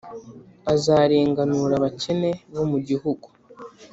azarenganure abakene bo mu gihugu.